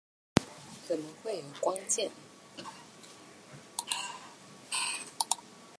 怎麼會有光劍